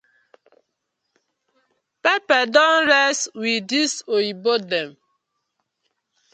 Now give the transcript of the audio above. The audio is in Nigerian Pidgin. Pepper don rest wit dis oyibo dem.